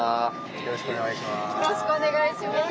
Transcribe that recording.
よろしくお願いします。